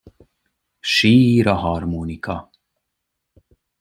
Sír a harmonika.